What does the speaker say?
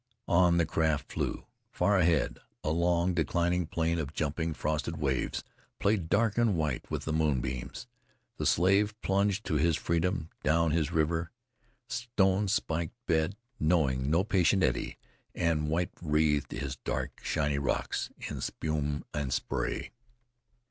On the craft flew. Far ahead, a long, declining plane of jumping frosted waves played dark and white with the moonbeams. The Slave plunged to his freedom, down his riven, stone spiked bed, knowing no patient eddy, and white wreathed his dark shiny rocks in spume and spray.